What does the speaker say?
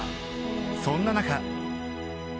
そんな中